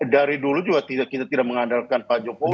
dari dulu juga kita tidak mengandalkan pak jokowi